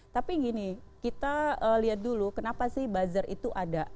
tapi gini kita lihat dulu kenapa sih buzzer itu ada